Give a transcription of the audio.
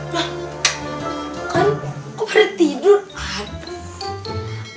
kalian kok pada tidur